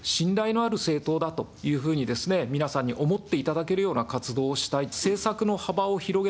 信頼のある政党だというふうに皆さんに思っていただけるような活動をしたい。